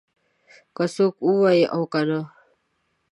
که څوک ووايي او که نه.